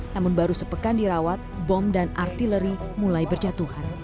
namun baru sepekan dirawat bom dan artileri mulai berjatuhan